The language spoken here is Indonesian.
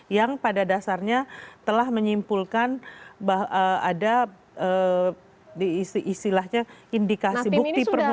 yang pada dasarnya telah menyimpulkan ada di istilahnya indikasi bukti permulaan